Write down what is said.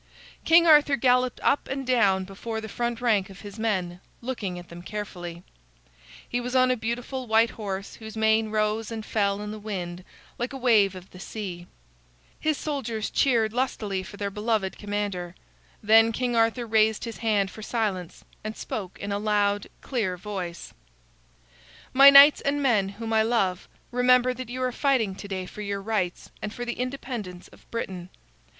King Arthur galloped up and down before the front rank of his men, looking at them carefully. He was on a beautiful white horse whose mane rose and fell in the wind like a wave of the sea. His soldiers cheered lustily for their beloved commander. Then King Arthur raised his hand for silence, and spoke in a loud, clear voice: "My knights and men whom I love, remember that you are fighting to day for your rights and for the independence of Britain.